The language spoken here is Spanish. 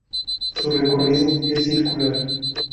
Su recorrido es circular.